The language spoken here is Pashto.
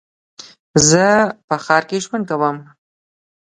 زه په ښار کې ژوند کوم.